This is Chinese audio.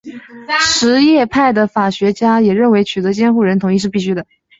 什叶派的法学家也认为取得监护人同意是必须的。